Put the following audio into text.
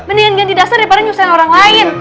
mendingan ganti duster daripada nyusahin orang lain